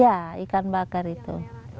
ya ikan bakar itu